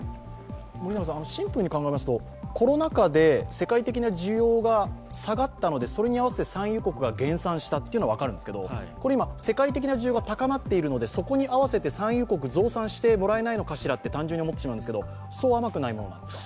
シンプルに考えますと、コロナ禍で世界的な需要が下がったので、それに合わせて産油国が減産したのは分かるんですが、これ今、世界的な需要が高まってるので、それに合わせて産油国増産してもらえないのかしらと単純に思ってしまうんですがそう甘くないものなんですか？